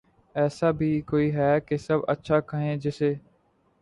ایسا بھی کوئی ھے کہ سب اچھا کہیں جسے